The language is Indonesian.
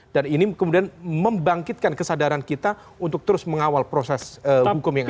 dan ini kemudian membangkitkan kesadaran kita untuk terus mengawal proses hukum yang ada